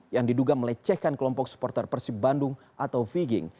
yang diduga melecehkan kelompok supporter persib bandung atau viging